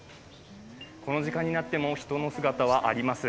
この時間になっても人の姿はあります。